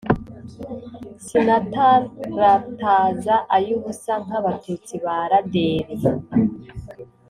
Sinatarataza ay'ubusa nk'abatutsi ba Raderi.